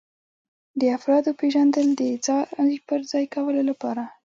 د افرادو پیژندل د ځای پر ځای کولو لپاره.